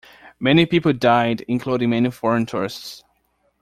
Many people died including many foreign tourists.